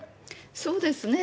そうですね。